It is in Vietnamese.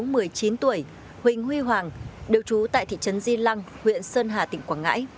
nguyễn điếu một mươi chín tuổi huỳnh huy hoàng đều trú tại thị trấn di lăng huyện sơn hà tỉnh quảng ngãi